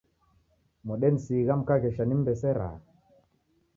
Modenisigha mkaghesha nimmbesera.